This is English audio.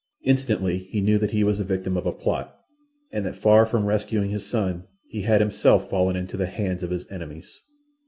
Instantly he knew that he was the victim of a plot, and that far from rescuing his son he had himself fallen into the hands of his enemies.